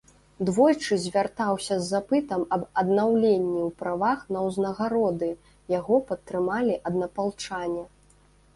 Двойчы звяртаўся з запытам аб аднаўленні ў правах на ўзнагароды, яго падтрымалі аднапалчане.